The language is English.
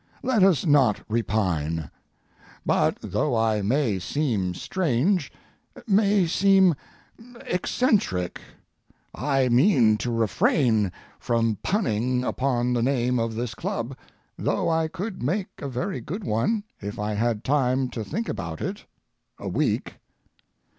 Let us not repine. But though I may seem strange, may seem eccentric, I mean to refrain from punning upon the name of this club, though I could make a very good one if I had time to think about it—a week.